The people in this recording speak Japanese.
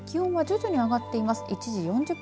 気温は徐々に上がっています。